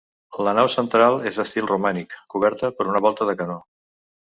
La nau central és d'estil romànic, coberta per una volta de canó.